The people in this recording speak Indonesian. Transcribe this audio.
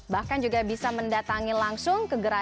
bahkan juga bisa mendatangi langsung kegerakan